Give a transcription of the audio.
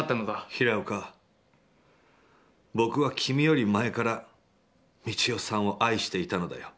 「平岡、僕は君より前から三千代さんを愛していたのだよ。